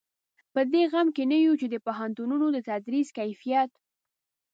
په دې غم کې نه یو چې د پوهنتونونو د تدریس کیفیت.